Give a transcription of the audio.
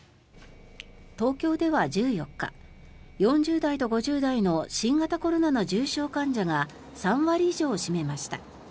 東京では１４日４０代と５０代の新型コロナの重症患者が３割以上を占めました。